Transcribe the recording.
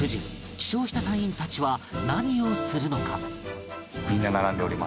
起床した隊員たちは何をするのか？